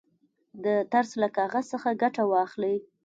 د ترس له کاغذ څخه ګټه واخلئ.